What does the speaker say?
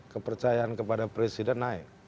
kepercayaan kepada presiden naik